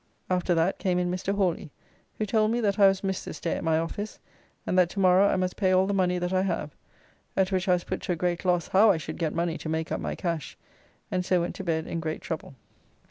After that came in Mr. Hawly, who told me that I was mist this day at my office, and that to morrow I must pay all the money that I have, at which I was put to a great loss how I should get money to make up my cash, and so went to bed in great trouble.